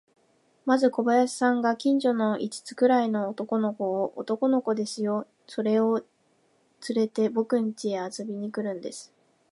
まず小林さんが、近所の五つくらいの男の子を、男の子ですよ、それをつれて、ぼくんちへ遊びに来るんです。